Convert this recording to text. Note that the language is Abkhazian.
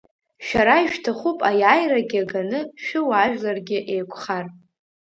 Шәара ишәҭахуп аиааирагьы ганы шәыуаажәларгьы еиқәхар.